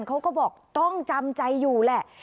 เขาก็บอกต้องจำใจอยู่แหละ